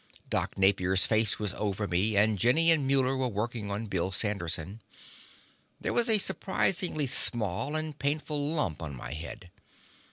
Doc Napier's face was over me, and Jenny and Muller were working on Bill Sanderson. There was a surprisingly small and painful lump on my head.